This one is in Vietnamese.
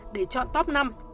để chọn top năm